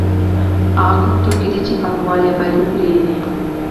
هغه کوم توکي دي چې پانګوال یې باید وپېري